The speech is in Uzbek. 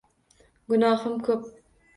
Gunohim ko’p